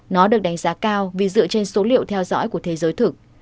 nó được đánh giá cao vì dựa trên số liệu theo dõi của thế giới thực